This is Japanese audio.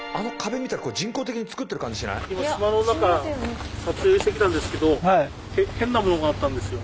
今島の中撮影してきたんですけど変なものがあったんですよ。